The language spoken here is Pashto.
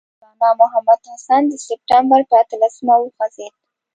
مولنا محمود الحسن د سپټمبر پر اتلسمه وخوځېد.